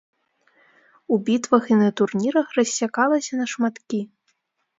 У бітвах і на турнірах рассякалася на шматкі.